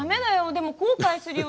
でも後悔するよ。